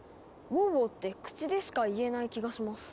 「ウォウウォウ」って口でしか言えない気がします。